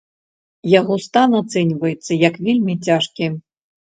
Яго стан ацэньваецца як вельмі цяжкі.